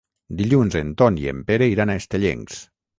Dilluns en Ton i en Pere iran a Estellencs.